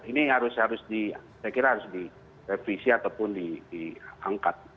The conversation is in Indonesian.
ini harus di saya kira harus direvisi ataupun diangkat